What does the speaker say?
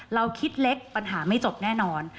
เราคิดเล็กปัญหาไม่จบแน่นอน